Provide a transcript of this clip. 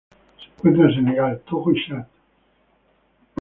Se encuentra en Senegal, Togo y Chad.